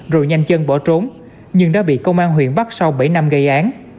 rồi nhanh chân bỏ trốn nhưng đã bị công an huyện bắt sau bảy năm gây án